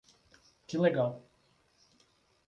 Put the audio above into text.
Que legal!